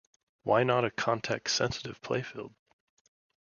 Why not a context-sensitive playfield?